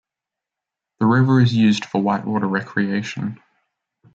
The river is used for whitewater recreation.